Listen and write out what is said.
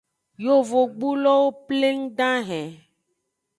Yovogbulowo pleng dahen.